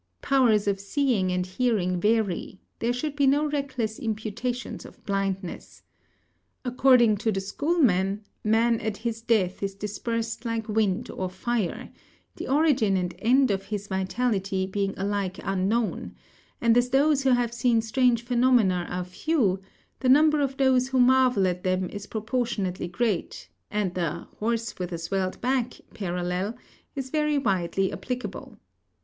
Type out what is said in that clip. Powers of seeing and hearing vary; there should be no reckless imputations of blindness. According to the schoolmen, man at his death is dispersed like wind or fire, the origin and end of his vitality being alike unknown; and as those who have seen strange phenomena are few, the number of those who marvel at them is proportionately great, and the 'horse with a swelled back' parallel is very widely applicable.